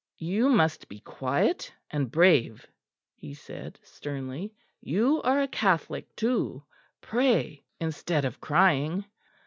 "You must be quiet and brave," he said sternly. "You are a Catholic too; pray, instead of crying."